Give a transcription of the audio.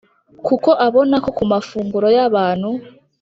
kuko aboneka ku mafunguro y’abantu